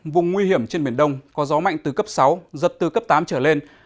vùng nguy hiểm trên biển đông có gió mạnh từ cấp sáu giật từ cấp tám trở lên